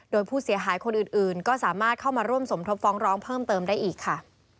โดยผู้เสียหายคนอื่นก็สามารถเข้ามาร่วมสมทบฟ้องร้องเพิ่มเติมได้อีกค่ะ